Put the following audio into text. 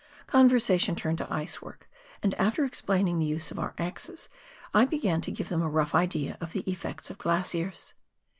Conversation turned to ice work, and after explaining the use of our axes, I began to give them a rough idea of the effects of glaciers.